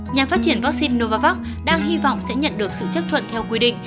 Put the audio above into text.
nhà phát triển vắc xin novavax đang hy vọng sẽ nhận được sự chất thuận theo quy định